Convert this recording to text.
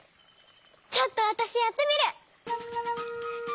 ちょっとわたしやってみる！